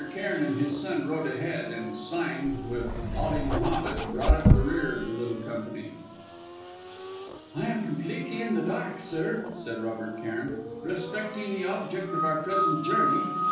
Cairn and his son rode ahead, and Sime, with Ali Mohammed, brought up the rear of the little company. "I am completely in the dark, sir," said Robert Cairn, "respecting the object of our present journey.